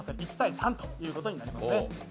１−３ということになりますね。